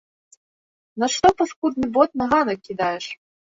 Нашто паскудны бот на ганак кідаеш?